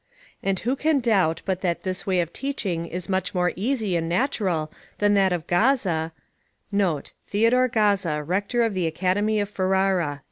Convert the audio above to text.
And who can doubt but that this way of teaching is much more easy and natural than that of Gaza, [Theodore Gaza, rector of the Academy of Ferrara.